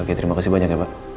oke terima kasih banyak ya pak